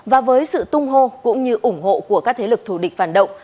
và với sự tung hô cũng như ủng hộ của các thế lực thù địch phản động